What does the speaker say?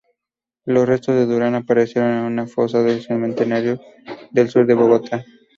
Los restos de Durán aparecieron en una fosa del cementerio del Sur de Bogotá.